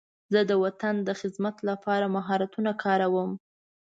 زه د وطن د خدمت لپاره خپل مهارتونه کاروم.